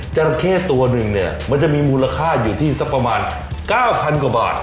ราเข้ตัวหนึ่งเนี่ยมันจะมีมูลค่าอยู่ที่สักประมาณ๙๐๐กว่าบาท